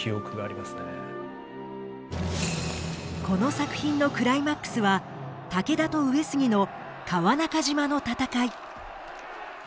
この作品のクライマックスは武田と上杉の川中島の戦い。